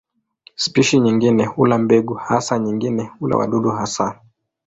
Spishi nyingine hula mbegu hasa, nyingine hula wadudu hasa.